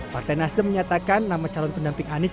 partai nasdem menyatakan nama calon pendamping anies